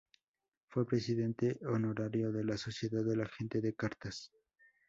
Fue Presidente honorario de la Sociedad de la gente de cartas.